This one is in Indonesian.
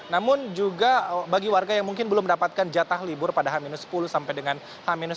namun juga bagi warga yang mungkin belum mendapatkan jatah libur pada h sepuluh sampai dengan h satu